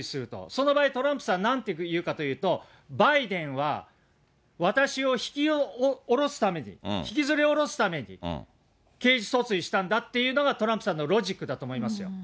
その場合トランプさん、なんて言うかというと、バイデンは私を引き降ろすために、引きずり下ろすために、刑事訴追したんだっていうのがトランプさんのロジックだと思いますよ。